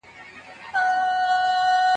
هم له غله هم داړه مار سره یې کار وو